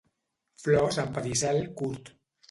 Flors amb pedicel curt.